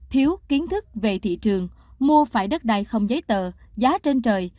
thiếu kiến thức về thị trường mua phải đất đai không giấy tờ giá trên trời